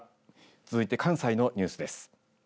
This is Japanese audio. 続いて関西のニュースです。